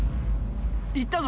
行ったぞ。